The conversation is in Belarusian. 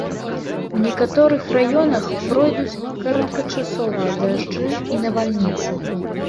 У некаторых раёнах пройдуць кароткачасовыя дажджы і навальніцы.